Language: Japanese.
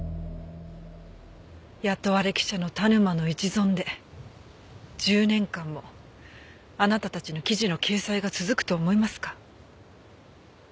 雇われ記者の田沼の一存で１０年間もあなたたちの記事の掲載が続くと思いますか？